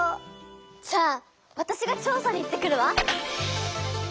じゃああたしが調さに行ってくるわ！